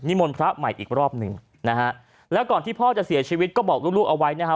มนต์พระใหม่อีกรอบหนึ่งนะฮะแล้วก่อนที่พ่อจะเสียชีวิตก็บอกลูกลูกเอาไว้นะฮะ